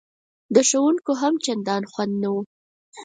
د ښوونکیو هم چندان خوند نه و.